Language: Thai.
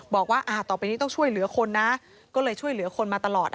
บอกว่าต่อไปนี้ต้องช่วยเหลือคนนะก็เลยช่วยเหลือคนมาตลอด